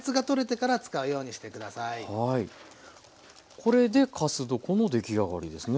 これでかす床の出来上がりですね。